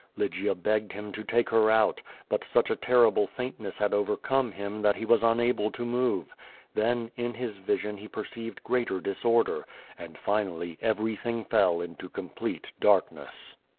Lygia begged him to take her out, but such a terrible faintness had overcome him that he was unable to move. Then, in his vision he perceived greater disorder, and finally everything fell into complete darkness.